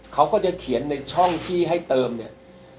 เขาก็จะเขียนในช่องที่ให้เติมเนี่ย